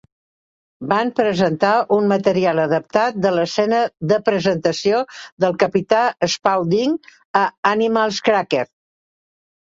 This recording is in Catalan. Van representar un material adaptat de la escena de presentació del capità Spaulding a "Animal Crackers".